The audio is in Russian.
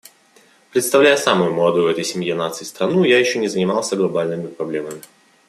Представляя самую молодую в этой семье наций страну, я еще не занимался глобальными проблемами.